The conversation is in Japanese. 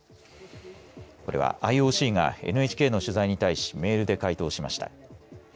これは、ＩＯＣがＮＨＫの取材に対しメールで回答しました。